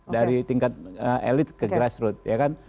dari tingkat elit ke kejahatan